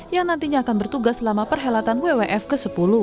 yang nantinya akan bertugas selama perhelatan wwf ke sepuluh